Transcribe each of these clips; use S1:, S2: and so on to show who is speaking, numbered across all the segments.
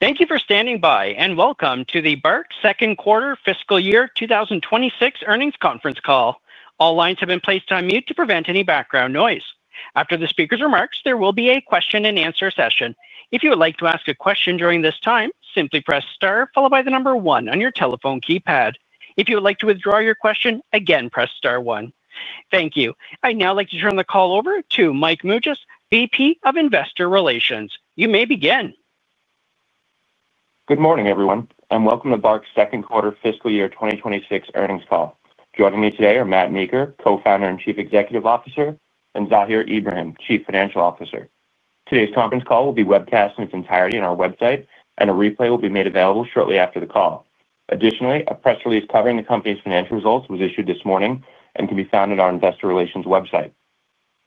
S1: Thank you for standing by, and welcome to the BARK second quarter fiscal year 2026 earnings conference call. All lines have been placed on mute to prevent any background noise. After the speaker's remarks, there will be a question and answer session. If you would like to ask a question during this time, simply press star followed by the number one on your telephone keypad. If you would like to withdraw your question, again press star one. Thank you. I'd now like to turn the call over to Mike Mougias, VP of Investor Relations. You may begin.
S2: Good morning, everyone, and welcome to BARK's second quarter fiscal year 2026 earnings call. Joining me today are Matt Meeker, Co-founder and Chief Executive Officer, and Zahir Ibrahim, Chief Financial Officer. Today's conference call will be webcast in its entirety on our website, and a replay will be made available shortly after the call. Additionally, a press release covering the company's financial results was issued this morning and can be found on our investor relations website.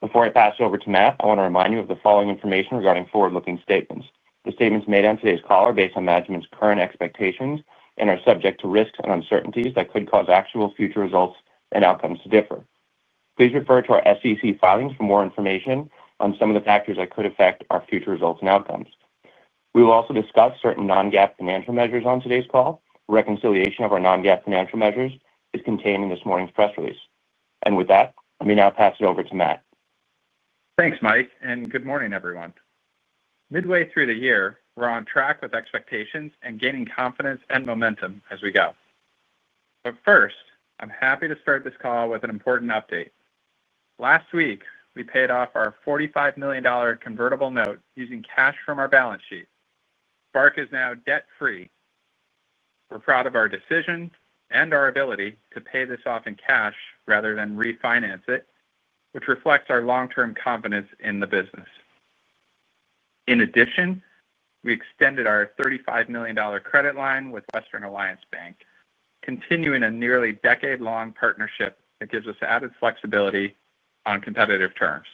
S2: Before I pass it over to Matt, I want to remind you of the following information regarding forward-looking statements. The statements made on today's call are based on management's current expectations and are subject to risks and uncertainties that could cause actual future results and outcomes to differ. Please refer to our SEC filings for more information on some of the factors that could affect our future results and outcomes. We will also discuss certain non-GAAP financial measures on today's call. Reconciliation of our non-GAAP financial measures is contained in this morning's press release. With that, let me now pass it over to Matt.
S3: Thanks, Mike, and good morning, everyone. Midway through the year, we're on track with expectations and gaining confidence and momentum as we go. First, I'm happy to start this call with an important update. Last week, we paid off our $45 million convertible note using cash from our balance sheet. BARK is now debt-free. We're proud of our decision and our ability to pay this off in cash rather than refinance it, which reflects our long-term confidence in the business. In addition, we extended our $35 million credit line with Western Alliance Bank, continuing a nearly decade-long partnership that gives us added flexibility on competitive terms.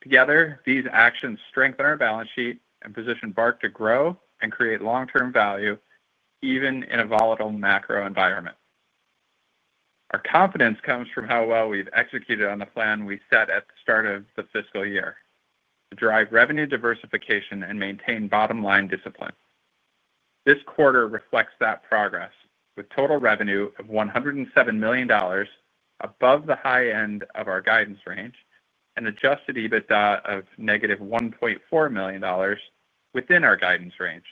S3: Together, these actions strengthen our balance sheet and position BARK to grow and create long-term value, even in a volatile macro environment. Our confidence comes from how well we've executed on the plan we set at the start of the fiscal year to drive revenue diversification and maintain bottom-line discipline. This quarter reflects that progress, with total revenue of $107 million above the high end of our guidance range and adjusted EBITDA of negative $1.4 million within our guidance range.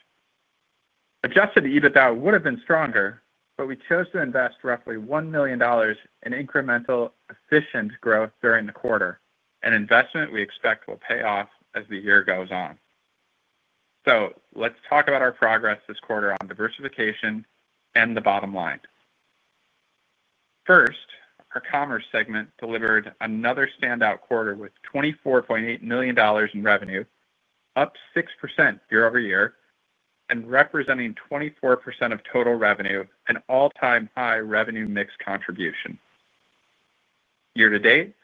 S3: Adjusted EBITDA would have been stronger, but we chose to invest roughly $1 million in incremental efficient growth during the quarter, an investment we expect will pay off as the year goes on. Let's talk about our progress this quarter on diversification and the bottom line. First, our commerce segment delivered another standout quarter with $24.8 million in revenue, up 6% year-over-year, and representing 24% of total revenue, an all-time high revenue mix contribution. Year to date,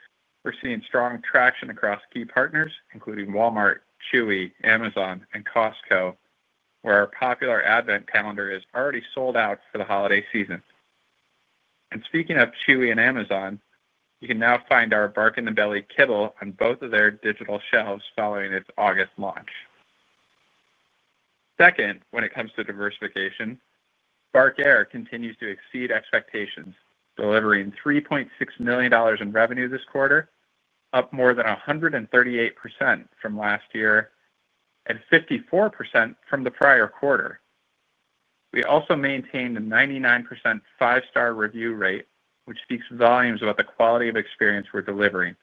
S3: we're seeing strong traction across key partners, including Walmart, Chewy, Amazon, and Costco, where our popular Advent calendar is already sold out for the holiday season. Speaking of Chewy and Amazon, you can now find our BARK in the Belly kibble on both of their digital shelves following its August launch. Second, when it comes to diversification, BARK Air continues to exceed expectations, delivering $3.6 million in revenue this quarter, up more than 138% from last year and 54% from the prior quarter. We also maintained a 99% five-star review rate, which speaks volumes about the quality of experience we're delivering.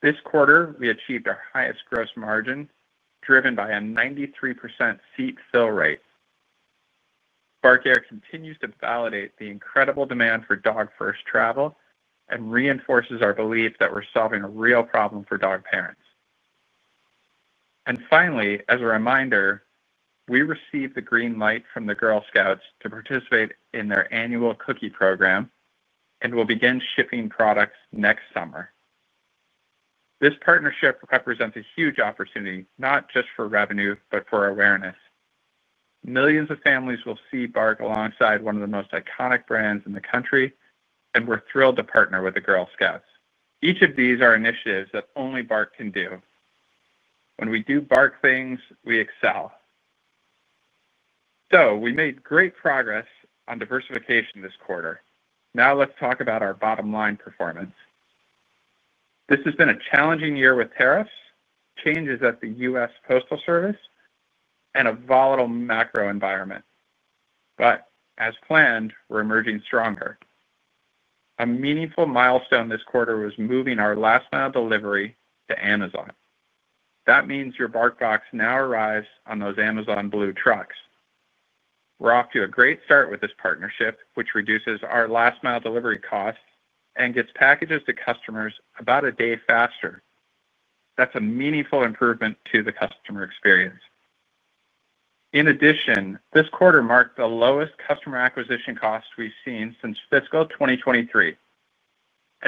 S3: This quarter, we achieved our highest gross margin, driven by a 93% seat fill rate. BARK Air continues to validate the incredible demand for dog-first travel and reinforces our belief that we're solving a real problem for dog parents. Finally, as a reminder, we received the green light from the Girl Scouts to participate in their annual cookie program and will begin shipping products next summer. This partnership represents a huge opportunity not just for revenue, but for awareness. Millions of families will see BARK alongside one of the most iconic brands in the country, and we're thrilled to partner with the Girl Scouts. Each of these are initiatives that only BARK can do. When we do BARK things, we excel. We made great progress on diversification this quarter. Now let's talk about our bottom-line performance. This has been a challenging year with tariffs, changes at the U.S. Postal Service, and a volatile macro environment. As planned, we're emerging stronger. A meaningful milestone this quarter was moving our last-mile delivery to Amazon. That means your BARK box now arrives on those Amazon Blue trucks. We're off to a great start with this partnership, which reduces our last-mile delivery costs and gets packages to customers about a day faster. That's a meaningful improvement to the customer experience. In addition, this quarter marked the lowest customer acquisition cost we've seen since fiscal 2023.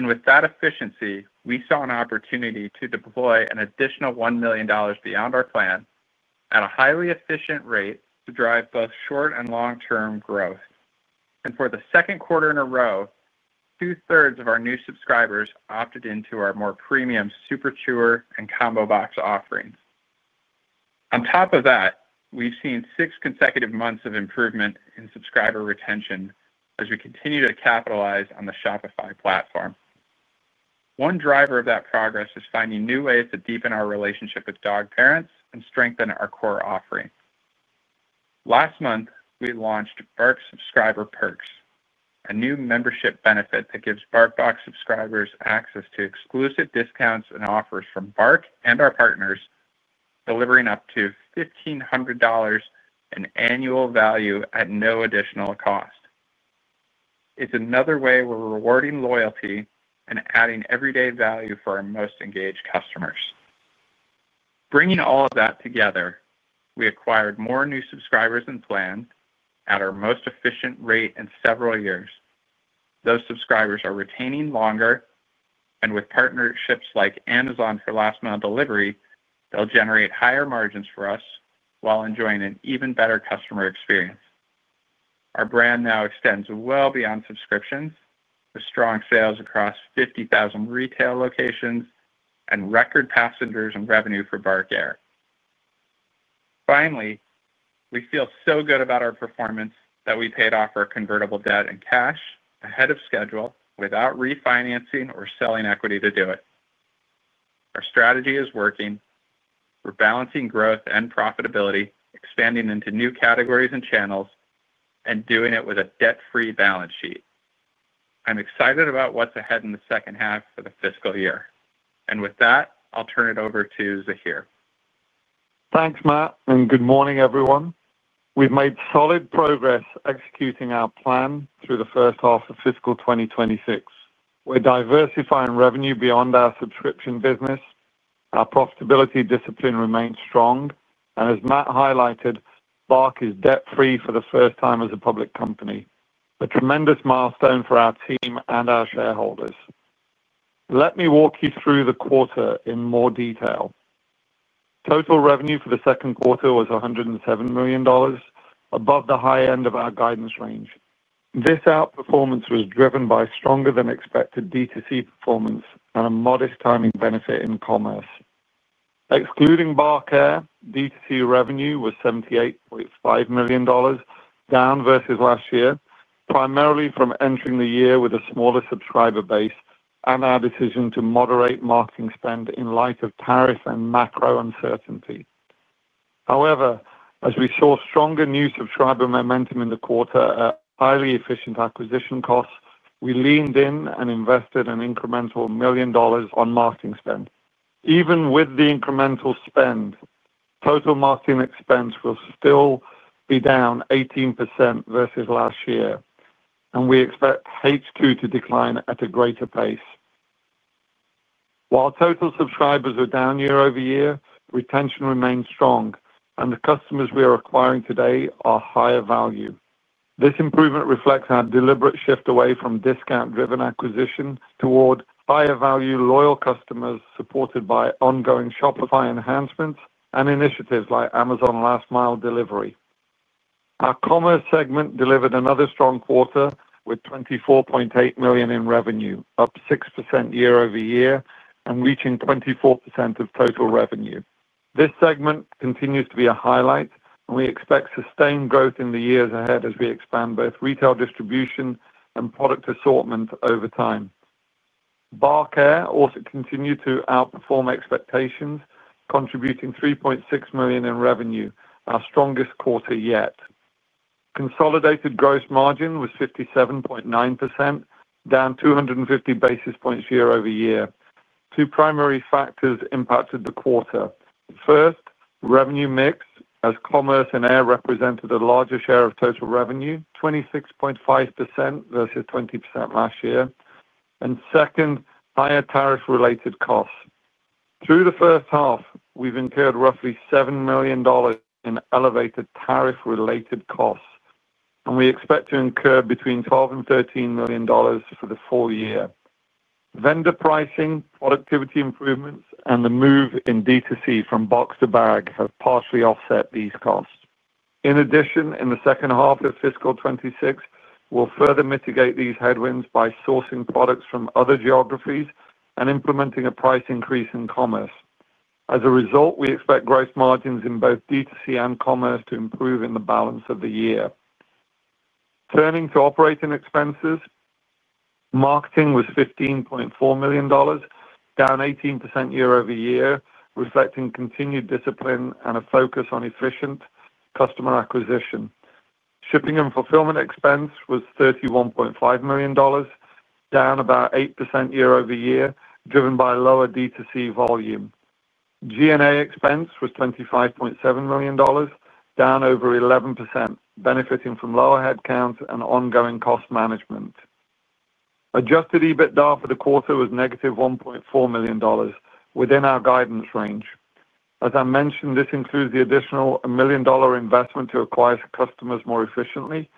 S3: With that efficiency, we saw an opportunity to deploy an additional $1 million beyond our plan at a highly efficient rate to drive both short and long-term growth. For the second quarter in a row, two-thirds of our new subscribers opted into our more premium Superchewer and Combo Box offerings. On top of that, we've seen six consecutive months of improvement in subscriber retention as we continue to capitalize on the Shopify platform. One driver of that progress is finding new ways to deepen our relationship with dog parents and strengthen our core offering. Last month, we launched BARK Subscriber Perks, a new membership benefit that gives BARK Box subscribers access to exclusive discounts and offers from BARK and our partners, delivering up to $1,500 in annual value at no additional cost. It's another way we're rewarding loyalty and adding everyday value for our most engaged customers. Bringing all of that together, we acquired more new subscribers and plans at our most efficient rate in several years. Those subscribers are retaining longer, and with partnerships like Amazon for last-mile delivery, they'll generate higher margins for us while enjoying an even better customer experience. Our brand now extends well beyond subscriptions, with strong sales across 50,000 retail locations and record passengers and revenue for BARK Air. Finally, we feel so good about our performance that we paid off our convertible debt in cash ahead of schedule without refinancing or selling equity to do it. Our strategy is working. We're balancing growth and profitability, expanding into new categories and channels, and doing it with a debt-free balance sheet. I'm excited about what's ahead in the second half of the fiscal year. With that, I'll turn it over to Zahir.
S4: Thanks, Matt, and good morning, everyone. We've made solid progress executing our plan through the first half of fiscal 2026. We're diversifying revenue beyond our subscription business. Our profitability discipline remains strong. As Matt highlighted, BARK is debt-free for the first time as a public company. A tremendous milestone for our team and our shareholders. Let me walk you through the quarter in more detail. Total revenue for the second quarter was $107 million, above the high end of our guidance range. This outperformance was driven by stronger-than-expected D2C performance and a modest timing benefit in commerce. Excluding BARK Air, D2C revenue was $78.5 million, down versus last year, primarily from entering the year with a smaller subscriber base and our decision to moderate marketing spend in light of tariff and macro uncertainty. However, as we saw stronger new subscriber momentum in the quarter at highly efficient acquisition costs, we leaned in and invested an incremental $1 million on marketing spend. Even with the incremental spend, total marketing expense will still be down 18% versus last year, and we expect H2 to decline at a greater pace. While total subscribers are down year-over-year, retention remains strong, and the customers we are acquiring today are higher value. This improvement reflects our deliberate shift away from discount-driven acquisition toward higher value, loyal customers supported by ongoing Shopify enhancements and initiatives like Amazon last-mile delivery. Our commerce segment delivered another strong quarter with $24.8 million in revenue, up 6% year-over-year, and reaching 24% of total revenue. This segment continues to be a highlight, and we expect sustained growth in the years ahead as we expand both retail distribution and product assortment over time. BARK Air also continued to outperform expectations, contributing $3.6 million in revenue, our strongest quarter yet. Consolidated gross margin was 57.9%, down 250 basis points year-over-year. Two primary factors impacted the quarter. First, revenue mix, as commerce and Air represented a larger share of total revenue, 26.5% versus 20% last year. Second, higher tariff-related costs. Through the first half, we've incurred roughly $7 million in elevated tariff-related costs, and we expect to incur between $12 million and $13 million for the full year. Vendor pricing, productivity improvements, and the move in D2C from box to bag have partially offset these costs. In addition, in the second half of fiscal 2026, we'll further mitigate these headwinds by sourcing products from other geographies and implementing a price increase in commerce. As a result, we expect gross margins in both D2C and commerce to improve in the balance of the year. Turning to operating expenses, marketing was $15.4 million, down 18% year-over-year, reflecting continued discipline and a focus on efficient customer acquisition. Shipping and fulfillment expense was $31.5 million, down about 8% year-over-year, driven by lower D2C volume. G&A expense was $25.7 million, down over 11%, benefiting from lower headcount and ongoing cost management. Adjusted EBITDA for the quarter was negative $1.4 million, within our guidance range. As I mentioned, this includes the additional $1 million investment to acquire customers more efficiently,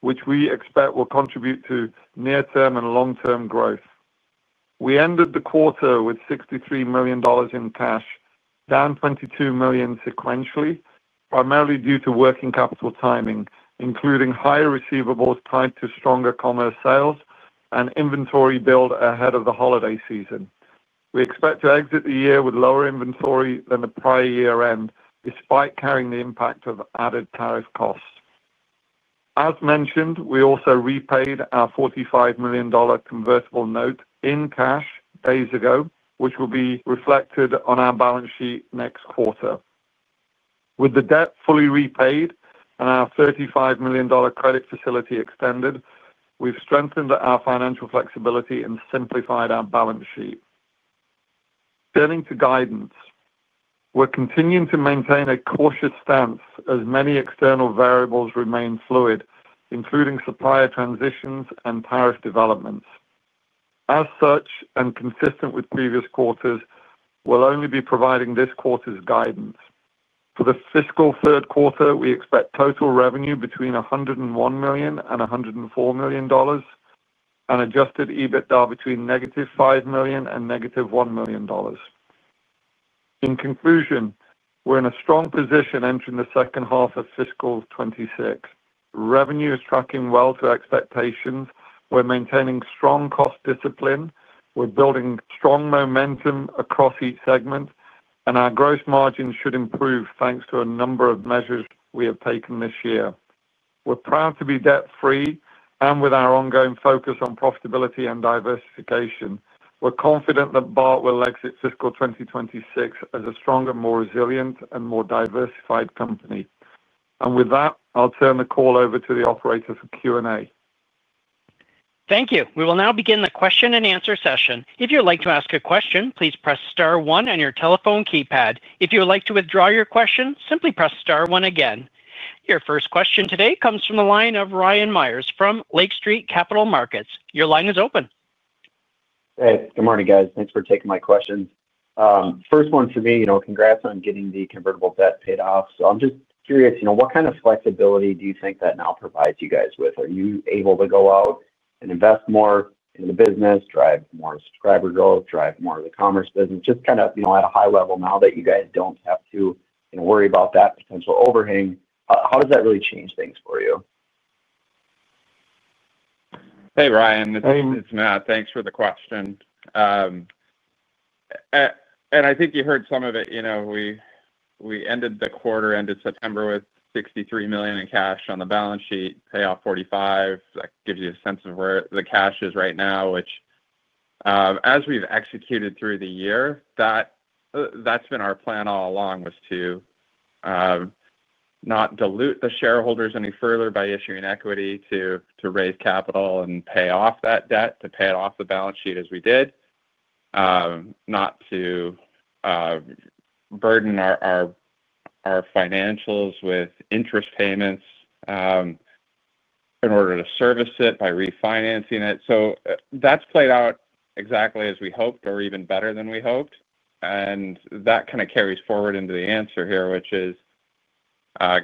S4: which we expect will contribute to near-term and long-term growth. We ended the quarter with $63 million in cash, down $22 million sequentially, primarily due to working capital timing, including higher receivables tied to stronger commerce sales and inventory build ahead of the holiday season. We expect to exit the year with lower inventory than the prior year end, despite carrying the impact of added tariff costs. As mentioned, we also repaid our $45 million convertible note in cash days ago, which will be reflected on our balance sheet next quarter. With the debt fully repaid and our $35 million credit facility extended, we've strengthened our financial flexibility and simplified our balance sheet. Turning to guidance, we're continuing to maintain a cautious stance as many external variables remain fluid, including supplier transitions and tariff developments. As such, and consistent with previous quarters, we'll only be providing this quarter's guidance. For the fiscal third quarter, we expect total revenue between $101 million and $104 million, and adjusted EBITDA between negative $5 million and negative $1 million. In conclusion, we're in a strong position entering the second half of fiscal 2026. Revenue is tracking well to expectations. We're maintaining strong cost discipline. We're building strong momentum across each segment, and our gross margin should improve thanks to a number of measures we have taken this year. We're proud to be debt-free and with our ongoing focus on profitability and diversification. We're confident that BARK will exit fiscal 2026 as a stronger, more resilient, and more diversified company. I'll turn the call over to the operator for Q&A.
S1: Thank you. We will now begin the question-and-answer session. If you'd like to ask a question, please press star one on your telephone keypad. If you would like to withdraw your question, simply press star one again. Your first question today comes from the line of Ryan Meyers from Lake Street Capital Markets. Your line is open.
S5: Hey, good morning, guys. Thanks for taking my questions. First one for me, congrats on getting the convertible debt paid off. I'm just curious, what kind of flexibility do you think that now provides you guys with? Are you able to go out and invest more in the business, drive more subscriber growth, drive more of the commerce business? Just kind of at a high level now that you guys don't have to worry about that potential overhang, how does that really change things for you?
S3: Hey, Ryan. It's Matt. Thanks for the question. I think you heard some of it. We ended the quarter, ended September with $63 million in cash on the balance sheet, paid off $45 million. That gives you a sense of where the cash is right now, which, as we've executed through the year, that's been our plan all along, was to not dilute the shareholders any further by issuing equity to raise capital and pay off that debt, to pay it off the balance sheet as we did, not to burden our financials with interest payments in order to service it by refinancing it. That's played out exactly as we hoped, or even better than we hoped. That kind of carries forward into the answer here, which is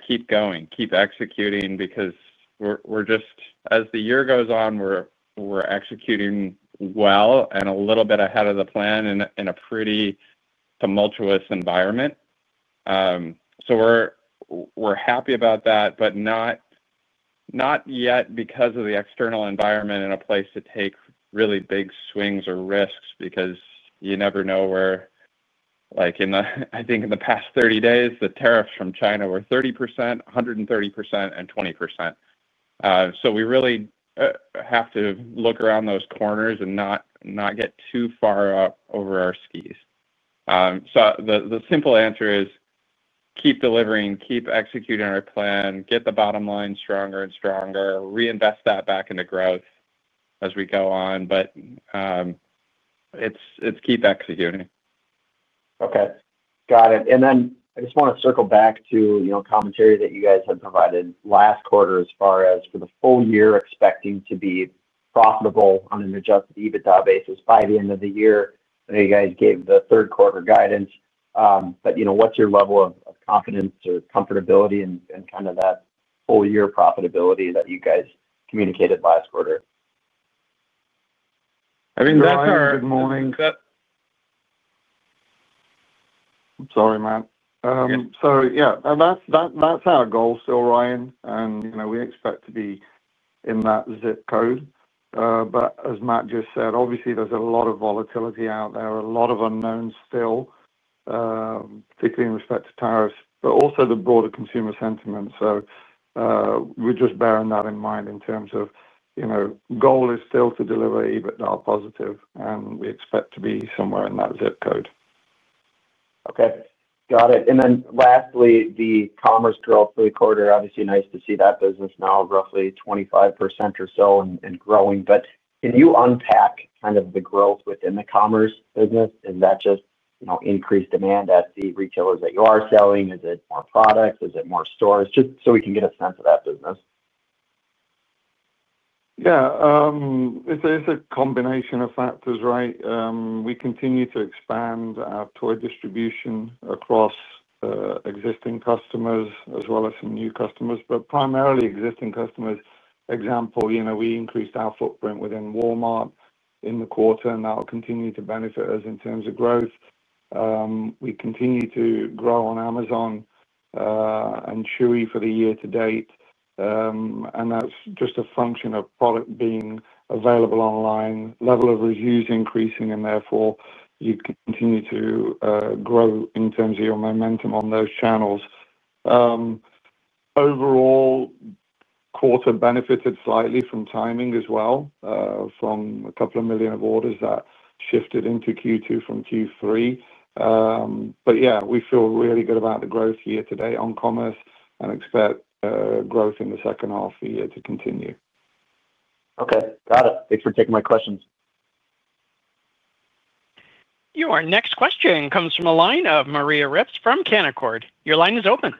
S3: keep going, keep executing, because we're just, as the year goes on, we're executing well and a little bit ahead of the plan in a pretty tumultuous environment. We're happy about that, but not yet because of the external environment and a place to take really big swings or risks, because you never know where, like in the, I think in the past 30 days, the tariffs from China were 30%, 130%, and 20%. We really have to look around those corners and not get too far over our skis. The simple answer is keep delivering, keep executing our plan, get the bottom line stronger and stronger, reinvest that back into growth as we go on, but it's keep executing.
S5: Okay. Got it. I just want to circle back to commentary that you guys had provided last quarter as far as for the full year expecting to be profitable on an adjusted EBITDA basis by the end of the year. I know you guys gave the third quarter guidance, but what's your level of confidence or comfortability and kind of that full year profitability that you guys communicated last quarter?
S3: I mean, that's our. Good morning.
S4: Sorry, Matt.
S3: Yeah.
S4: That's our goal still, Ryan, and we expect to be in that zip code. As Matt just said, obviously, there's a lot of volatility out there, a lot of unknowns still, particularly in respect to tariffs, but also the broader consumer sentiment. We're just bearing that in mind in terms of goal is still to deliver EBITDA positive, and we expect to be somewhere in that zip code.
S5: Okay. Got it. Lastly, the commerce growth for the quarter, obviously nice to see that business now of roughly 25% or so and growing. Can you unpack kind of the growth within the commerce business? Is that just increased demand at the retailers that you are selling? Is it more products? Is it more stores? Just so we can get a sense of that business.
S4: Yeah. It's a combination of factors, right? We continue to expand our toy distribution across existing customers as well as some new customers, but primarily existing customers. For example, we increased our footprint within Walmart in the quarter, and that will continue to benefit us in terms of growth. We continue to grow on Amazon and Chewy for the year to date. That's just a function of product being available online, level of reviews increasing, and therefore you continue to grow in terms of your momentum on those channels. Overall, the quarter benefited slightly from timing as well, from a couple of million of orders that shifted into Q2 from Q3. Yeah, we feel really good about the growth year to date on commerce and expect growth in the second half of the year to continue.
S5: Okay. Got it. Thanks for taking my questions.
S1: Your next question comes from the line Maria Ripps from Canaccord. Your line is open.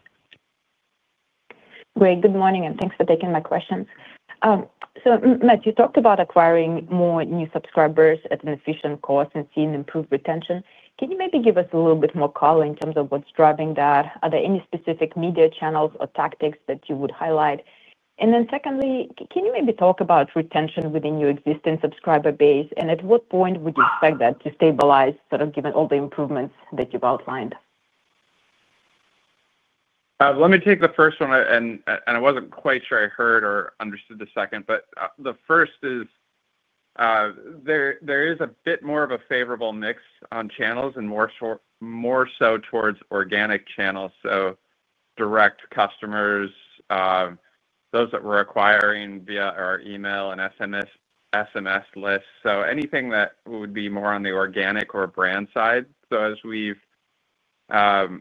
S6: Great. Good morning, and thanks for taking my questions. Matt, you talked about acquiring more new subscribers at an efficient cost and seeing improved retention. Can you maybe give us a little bit more color in terms of what's driving that? Are there any specific media channels or tactics that you would highlight? Secondly, can you maybe talk about retention within your existing subscriber base? At what point would you expect that to stabilize, sort of given all the improvements that you've outlined?
S3: Let me take the first one, and I was not quite sure I heard or understood the second, but the first is there is a bit more of a favorable mix on channels and more so towards organic channels. Direct customers, those that we are acquiring via our email and SMS lists. Anything that would be more on the organic or brand side. As we have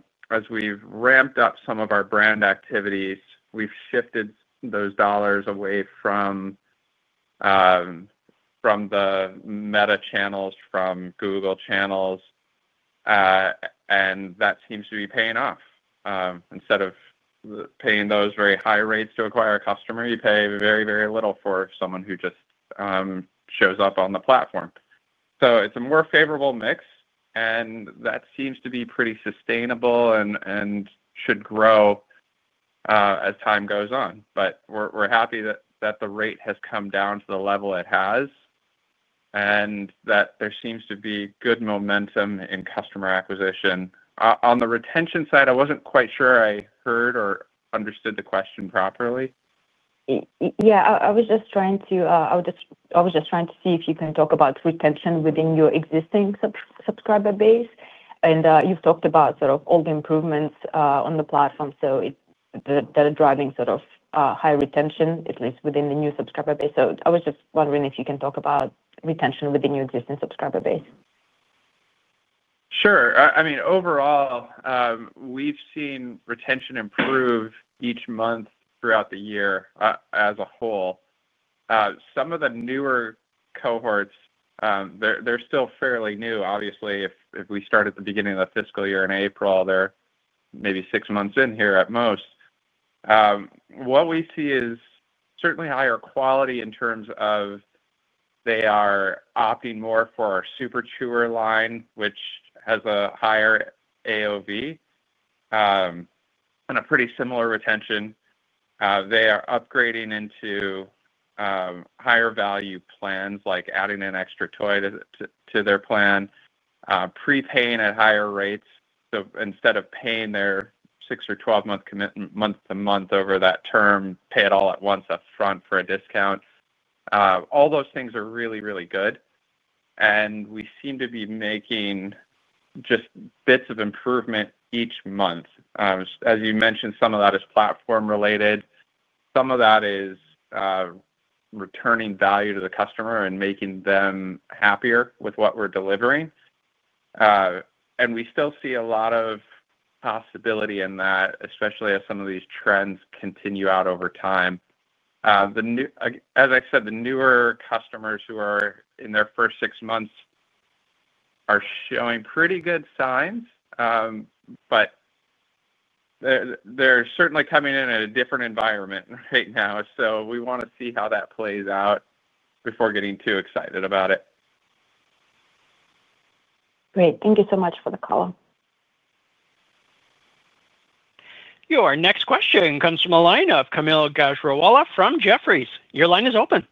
S3: ramped up some of our brand activities, we have shifted those dollars away from the Meta channels, from Google channels, and that seems to be paying off. Instead of paying those very high rates to acquire a customer, you pay very, very little for someone who just shows up on the platform. It is a more favorable mix, and that seems to be pretty sustainable and should grow as time goes on. We're happy that the rate has come down to the level it has and that there seems to be good momentum in customer acquisition. On the retention side, I wasn't quite sure I heard or understood the question properly.
S6: Yeah, I was just trying to see if you can talk about retention within your existing subscriber base. You've talked about sort of all the improvements on the platform that are driving sort of high retention, at least within the new subscriber base. I was just wondering if you can talk about retention within your existing subscriber base.
S3: Sure. I mean, overall, we've seen retention improve each month throughout the year as a whole. Some of the newer cohorts, they're still fairly new, obviously. If we start at the beginning of the fiscal year in April, they're maybe six months in here at most. What we see is certainly higher quality in terms of they are opting more for our Superchewer line, which has a higher AOV and a pretty similar retention. They are upgrading into higher value plans, like adding an extra toy to their plan, prepaying at higher rates. Instead of paying their 6 or 12-month commitment month to month over that term, they pay it all at once upfront for a discount. All those things are really, really good. We seem to be making just bits of improvement each month. As you mentioned, some of that is platform-related. Some of that is returning value to the customer and making them happier with what we're delivering. We still see a lot of possibility in that, especially as some of these trends continue out over time. As I said, the newer customers who are in their first six months are showing pretty good signs, but they're certainly coming in at a different environment right now. We want to see how that plays out before getting too excited about it.
S6: Great. Thank you so much for the call.
S1: Your next question comes from the line Kaumil Gajrawala from Jefferies. Your line is open.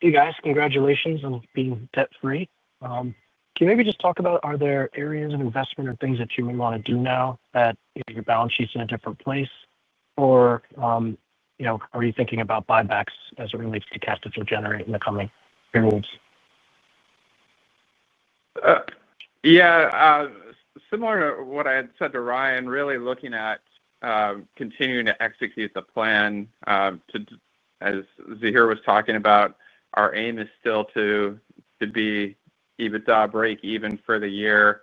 S7: Hey, guys. Congratulations on being debt-free. Can you maybe just talk about are there areas of investment or things that you may want to do now that your balance sheet's in a different place? Are you thinking about buybacks as it relates to cash that you'll generate in the coming periods?
S3: Yeah. Similar to what I had said to Ryan, really looking at continuing to execute the plan. As Zahir was talking about, our aim is still to be EBITDA break even for the year.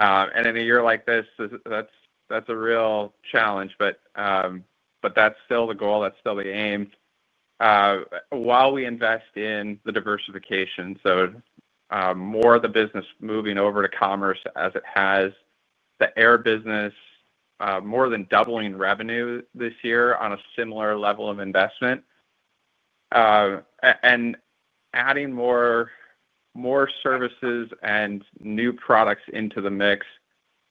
S3: In a year like this, that's a real challenge, but that's still the goal. That's still the aim. While we invest in the diversification, so more of the business moving over to commerce as it has, the air business, more than doubling revenue this year on a similar level of investment, and adding more services and new products into the mix.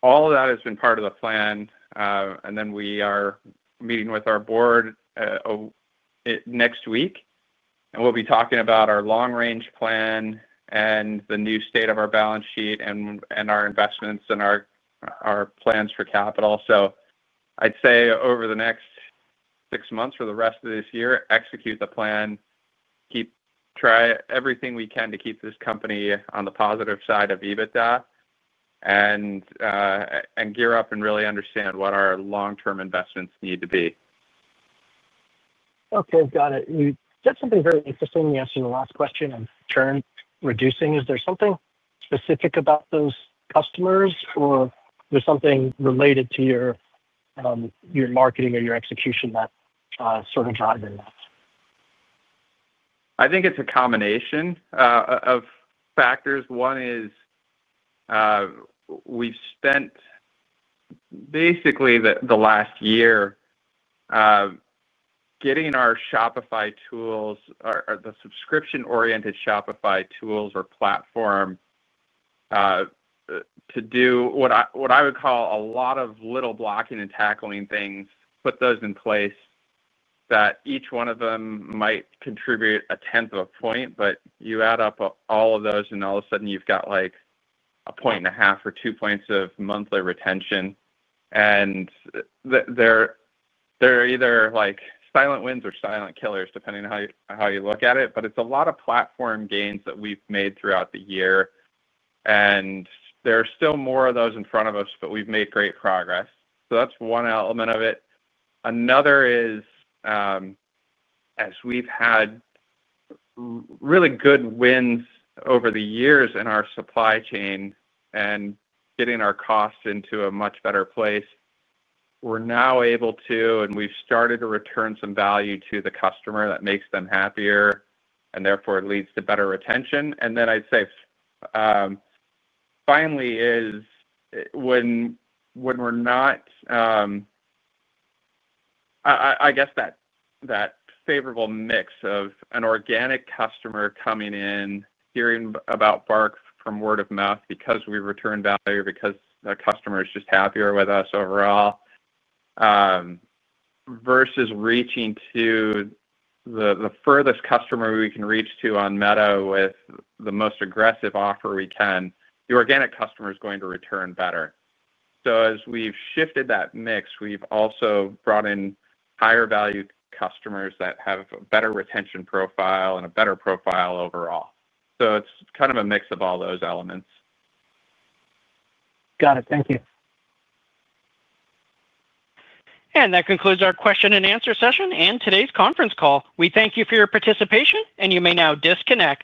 S3: All of that has been part of the plan. We are meeting with our board next week, and we'll be talking about our long-range plan and the new state of our balance sheet and our investments and our plans for capital. I'd say over the next six months or the rest of this year, execute the plan, try everything we can to keep this company on the positive side of EBITDA, and gear up and really understand what our long-term investments need to be.
S8: Okay. Got it. You said something very interesting when you asked me the last question of churn reducing. Is there something specific about those customers, or is there something related to your marketing or your execution that's sort of driving that?
S3: I think it's a combination of factors. One is we've spent basically the last year getting our Shopify tools, the subscription-oriented Shopify tools or platform, to do what I would call a lot of little blocking and tackling things, put those in place that each one of them might contribute a tenth of a point, but you add up all of those, and all of a sudden you've got like a point and a half or two points of monthly retention. They're either silent wins or silent killers, depending on how you look at it. It is a lot of platform gains that we've made throughout the year. There are still more of those in front of us, but we've made great progress. That is one element of it. Another is, as we've had really good wins over the years in our supply chain and getting our costs into a much better place, we're now able to, and we've started to, return some value to the customer that makes them happier, and therefore it leads to better retention. I'd say finally is when we're not, I guess that favorable mix of an organic customer coming in, hearing about BARK from word of mouth because we return value, because our customer is just happier with us overall, versus reaching to the furthest customer we can reach to on Meta with the most aggressive offer we can, the organic customer is going to return better. As we've shifted that mix, we've also brought in higher value customers that have a better retention profile and a better profile overall. It's kind of a mix of all those elements.
S8: Got it. Thank you.
S1: That concludes our question and answer session and today's conference call. We thank you for your participation, and you may now disconnect.